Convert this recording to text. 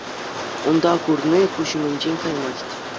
Унта курни куҫ умӗнчен каймасть.